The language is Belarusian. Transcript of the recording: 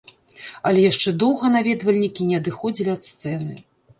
Але яшчэ доўга наведвальнікі не адыходзілі ад сцэны.